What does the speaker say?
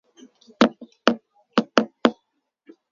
Wieviele Sprachen sprechen Sie fliessend?